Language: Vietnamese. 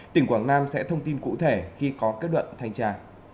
tỉnh quảng nam sẽ thông tin cụ thể khi có kết luận thanh tra